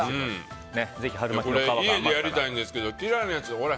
家でやりたいんですけど嫌いなやつおら